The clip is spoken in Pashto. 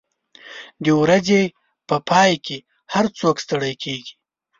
د ورځې په پای کې هر څوک ستړي کېږي.